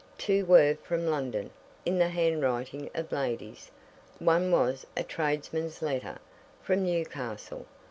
Two were from London in the handwriting of ladies. One was a tradesman's letter from Newcastle.